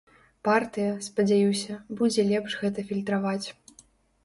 Партыя, спадзяюся, будзе лепш гэта фільтраваць.